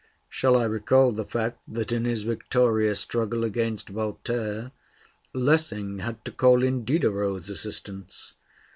Shall I recall the fact that in his victorious struggle against Voltaire, Lessing had to call in Diderot's assistance?